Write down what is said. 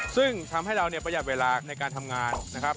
ซึ่งทำให้เราเนี่ยประหยัดเวลาในการทำงานนะครับ